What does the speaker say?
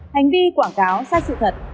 hành vi quảng cáo sai sự thật